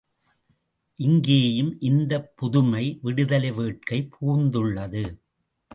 இங்கேயும் இந்தப் புதுமை, விடுதலை வேட்கை புகுந்துள்ளது.